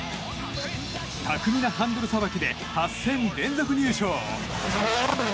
巧みなハンドルさばきで８戦連続入賞。